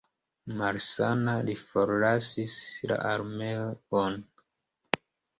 Malsana, li forlasis la armeon.